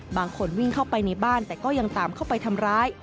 บางคนวิ่งเข้าไปในบ้านแต่ก็ยังตามเข้าไปทำร้าย